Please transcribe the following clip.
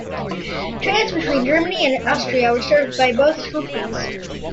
Trains between Germany and Austria were served by both companies.